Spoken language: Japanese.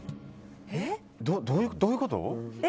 どういうこと？え？